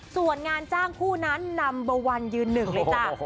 ส่วนงานจ้างคู่นั้นนัมเบอร์วันยืนหนึ่งเลยจ้ะ